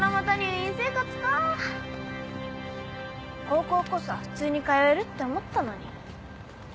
高校こそは普通に通えるって思ったのに。